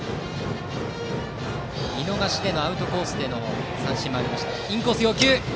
見逃しでのアウトコースでの三振もありました。